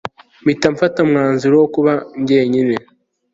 mpita mfata umwanzuro wo kuba njyenyine